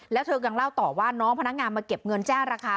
แล้วเธอยังเล่าต่อว่าน้องพนักงานมาเก็บเงินแจ้งราคา